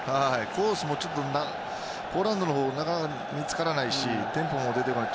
コースもポーランドのほうがなかなか見つからないしテンポも出てこない。